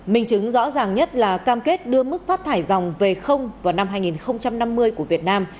mình chứng rõ ràng nhất là cam kết đưa mức phát thải dòng về vào năm hai nghìn năm mươi của việt nam